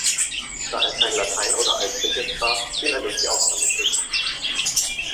Da er kein Latein oder Altgriechisch sprach, fiel er durch die Aufnahmeprüfung.